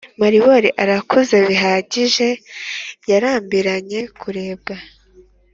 maribori arakuze bihagije yarambiranye kurebwa